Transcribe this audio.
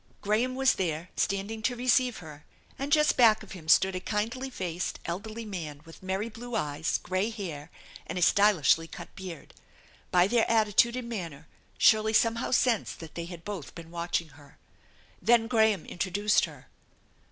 Graham was there, standing to receive her, and just back of him stood a kindly faced elderly man with merry blue eyes, gray hair, and a stylishly cut beard. By their attitude and manner Shirley somehow sensed that they had both been watching her. Then Graham introduced her.